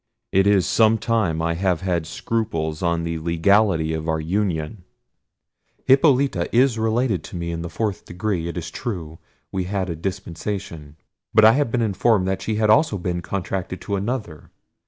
it is some time that I have had scruples on the legality of our union: Hippolita is related to me in the fourth degree—it is true, we had a dispensation: but I have been informed that she had also been contracted to another.